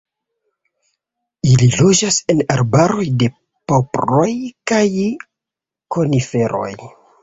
Ili loĝas en arbaroj de poploj kaj koniferoj.